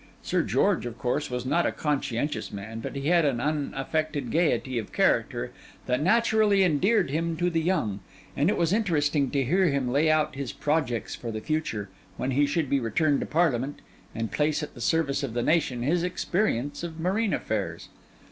Sir George, of course, was not a conscientious man; but he had an unaffected gaiety of character that naturally endeared him to the young; and it was interesting to hear him lay out his projects for the future, when he should be returned to Parliament, and place at the service of the nation his experience of marine affairs.